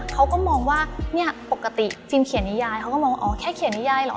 เขาก็มองว่าเนี่ยปกติฟิล์มเขียนนิยายเขาก็มองว่าอ๋อแค่เขียนนิยายเหรอ